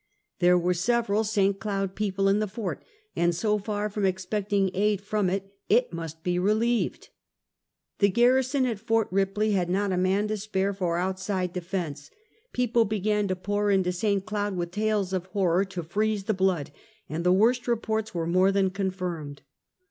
There were several St. Cloud people in the Fort, and so far from expecting aid from it it must be relieved. The garrison at Ft. Ripley had not a man to spare for outside defense. People began to pour into St. Cloud with tales of horror to freeze the blood, and tlie worst reports were more than confirmed.